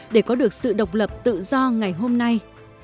để có được sự độc lập tự do ngày hôm nay